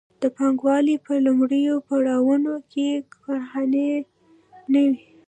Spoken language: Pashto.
د پانګوالۍ په لومړیو پړاوونو کې کارخانې نه وې.